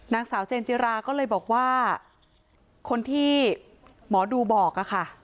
นางสาวเจนจิราก็เลยบอกว่าคนที่หมอดูบอกค่ะ